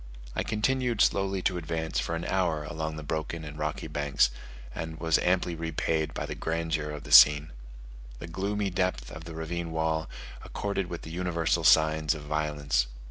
I continued slowly to advance for an hour along the broken and rocky banks, and was amply repaid by the grandeur of the scene. The gloomy depth of the ravine well accorded with the universal signs of violence.